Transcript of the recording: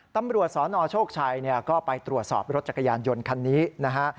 ตำรวจสนโชคชัยก็ไปตรวจสอบรถจักรยานยนต์คันนี้นะฮะ